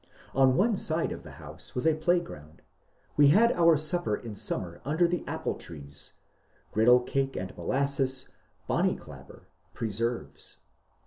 On one side of the house was a playground. We had our supper in summer under the apple trees, — griddle cake and molasses, bonny clabber, preserves.